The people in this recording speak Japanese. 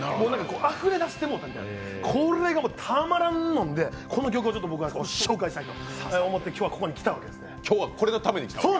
もうあふれ出してもうたみたいなこれがたまらんもんで、この曲をちょっと僕は紹介させてもらいたいと思って今日は、ここに来たんですよ。